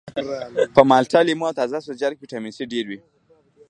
په مالټه لیمو او تازه سبزیجاتو کې ویټامین سي ډیر وي